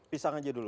pisang aja dulu